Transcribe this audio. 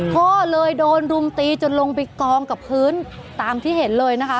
พ่อเลยโดนรุมตีจนลงไปกองกับพื้นตามที่เห็นเลยนะคะ